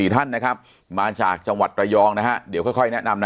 ท่านนะครับมาจากจังหวัดระยองนะฮะเดี๋ยวค่อยแนะนำนะ